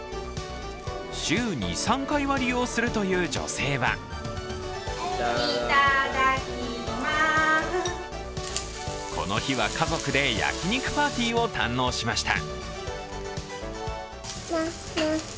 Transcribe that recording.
週２３回は利用するという女性はこの日は家族で焼肉パーティーを堪能しました。